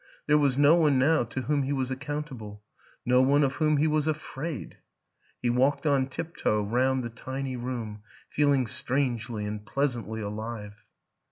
There was no one now to whom he was accountable; no one of whom he was afraid. ... He walked on tiptoe round the tiny room, feeling strangely and pleasantly alive.